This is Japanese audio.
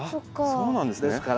そうなんですね。